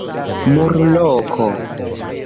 Murloko.